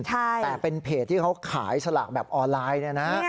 แต่เป็นเพจที่เขาขายสลากแบบออนไลน์เนี่ยนะ